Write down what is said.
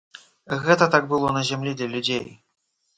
Гэта так было на зямлі для людзей.